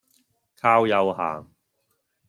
靠右行